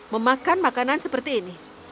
memakan makanan seperti ini